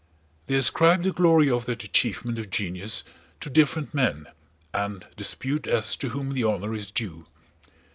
They ascribe the glory of that achievement of genius to different men and dispute as to whom the honor is due.